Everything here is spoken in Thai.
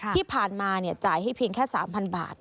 ที่ผ่านมาจ่ายให้เพียงแค่๓๐๐บาท